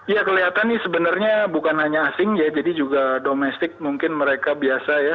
ya kelihatan nih sebenarnya bukan hanya asing ya jadi juga domestik mungkin mereka biasa ya